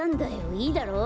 いいだろう？